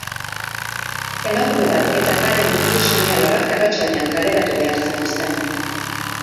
Emakume bat eta haren hiru seme-alabak arratsaldean kaleratu behar zituzten.